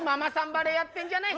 バレーやってんじゃない。